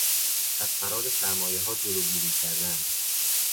از فرار سرمایهها جلوگیری کردن